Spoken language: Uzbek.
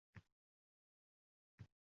Lekin siz juda yosh ko`rinasiz